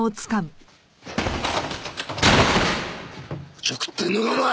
おちょくってんのかお前！